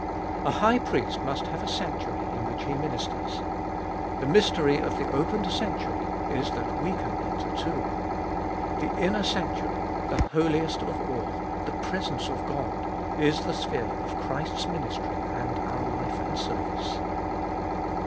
A high priest must have a sanctuary in which he ministers. The mystery of the opened sanctuary is that we can enter too. The inner sanctuary, the Holiest of All, the presence of God, is the sphere of Christ's ministry and our life and service.